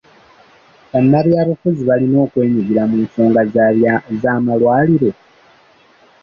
Bannabyabufuzi balina okwenyigira mu nsonga z'amalwaliro?